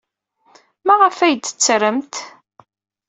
Maɣef akk ay d-ttremt?